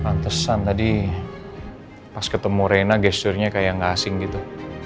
pantesan tadi pas ketemu rena gesturnya kayak gak asing gitu